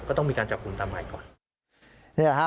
ก็ต้องมีการจับคุมตามหมายก่อน